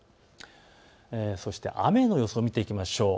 そして雨の予想を見ていきましょう。